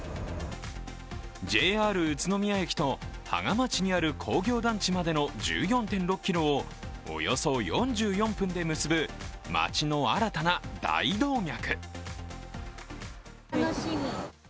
ＪＲ宇都宮駅と芳賀町にある工業団地までの１４．６ｋｍをおよそ４４分で結ぶ町の新たな大動脈。